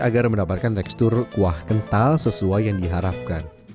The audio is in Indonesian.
agar mendapatkan tekstur kuah kental sesuai yang diharapkan